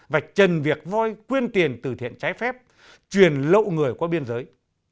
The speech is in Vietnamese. và trần việc voice quyên tiền từ thiện trái phép truyền lộ người qua biên giới